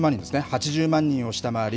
８０万人を下回り